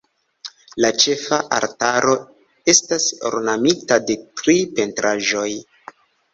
La ĉefa altaro estas ornamita de tri pentraĵoj.